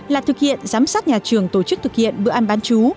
là thực hiện giám sát nhà trường tổ chức thực hiện bữa ăn bán chú